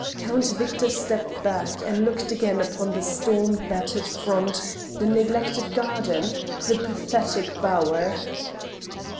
Count Victor stepped back and looked again upon the storm battered front, the neglected garden, the pathetic bower.